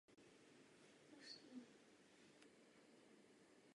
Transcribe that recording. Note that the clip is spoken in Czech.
Plebánie byla v místě zřízena ještě před založením místního kláštera.